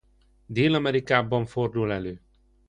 Dél-Amerikában fordul elő.